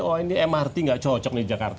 oh ini mrt tidak cocok jangan